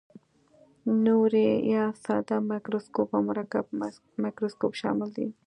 نوري یا ساده مایکروسکوپ او مرکب مایکروسکوپ شامل دي.